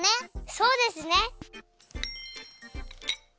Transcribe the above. そうですね。